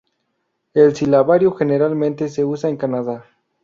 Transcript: El silabario generalmente se usa en Canadá.